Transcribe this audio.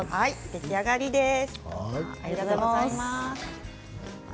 出来上がりです。